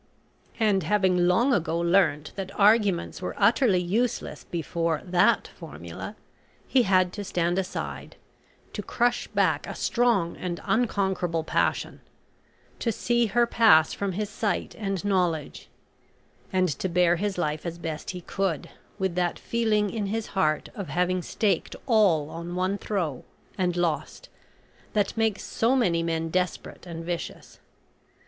And having long ago learnt that arguments were utterly useless before that formula, he had to stand aside to crush back a strong and unconquerable passion to see her pass from his sight and knowledge and to bear his life as best he could, with that feeling in his heart of having staked all on one throw, and lost, that makes so many men desperate and vicious.